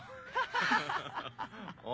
ハハハハ。